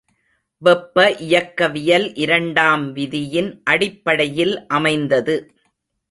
வெப்பஇயக்கவியல் இரண்டாம் விதியின் அடிப்படையில் அமைந்தது.